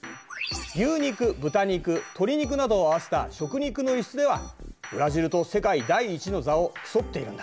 牛肉豚肉鶏肉などを合わせた食肉の輸出ではブラジルと世界第１の座を競っているんだ。